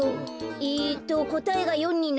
えっとこたえが４になるには。